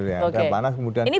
ada yang panas kemudian membalas